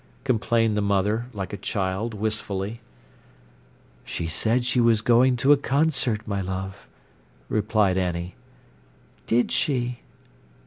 complained the mother, like a child, wistfully. "She said she was going to a concert, my love," replied Annie. "Did she?"